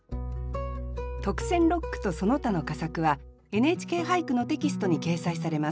特選六句とその他の佳作は「ＮＨＫ俳句」のテキストに掲載されます。